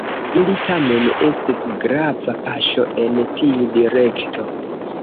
Ili tamen estis grava paŝo en tiu direkto.